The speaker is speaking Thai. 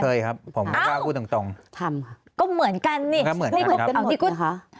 เคยครับผมก็พูดตรงตรงทำก็เหมือนกันนี่ก็เหมือนกันครับเอาที่คุณอ่า